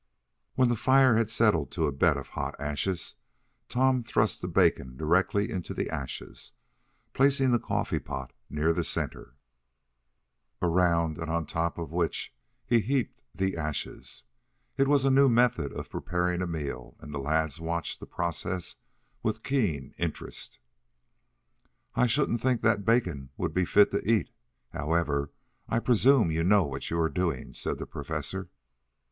When the fire had settled to a bed of hot ashes Tom thrust the bacon directly into the ashes, placing the coffee pot near the center, around and on top of which he heaped the ashes. It was a new method of preparing a meal, and the lads watched the process with keen interest. "I shouldn't think that bacon would be fit to eat. However, I presume you know what you are doing," said the Professor.